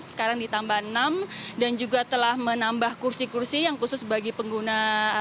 sekarang ditambah enam dan juga telah menambah kursi kursi yang khusus bagi pengguna